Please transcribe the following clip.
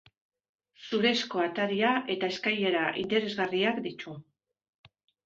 Zurezko ataria eta eskailera interesgarriak ditu.